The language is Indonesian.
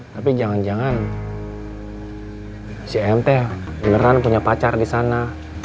tapi jangan jangan si a mt beneran punya pacar di sana